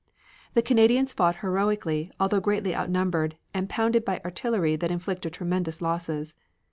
The Canadians fought heroically, although greatly outnumbered and pounded by artillery that inflicted tremendous losses.